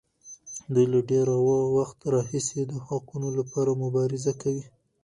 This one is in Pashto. دوی له ډېر وخت راهیسې د حقونو لپاره مبارزه کوي.